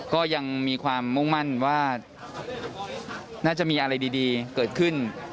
ก็ยังมีความมุ่งมั่นว่าน่าจะมีอะไรดีเกิดขึ้น